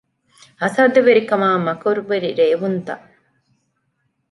ހަސަދަވެރިކަމާއި މަކަރުވެރި ރޭވުންތައް